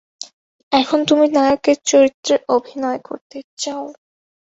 এখন, তুমি নায়কের চরিত্রে অভিনয় করতে চাও?